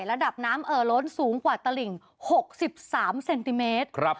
ระดับน้ำเออล้นสูงกว่าตระหลิงหกสิบสามเซนติเมตรครับ